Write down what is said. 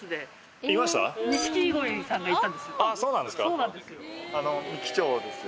そうなんですよ。